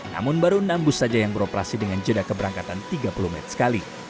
namun baru enam bus saja yang beroperasi dengan jeda keberangkatan tiga puluh menit sekali